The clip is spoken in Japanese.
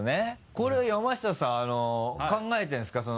これは山下さん考えてるんですか？